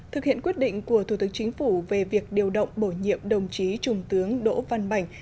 thực hiện quyết định của thủ tướng chính phủ về việc điều động bổ nhiệm đồng chí trung tướng đỗ văn bảnh